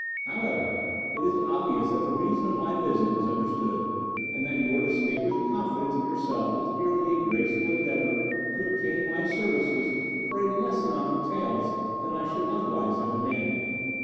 However, it is obvious that the reason of my visit is understood, and that your distinguished confidence in yourself is merely a graceful endeavour to obtain my services for a less amount of taels than I should otherwise have demanded.